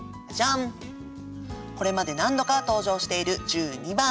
これまで何度か登場している１２番。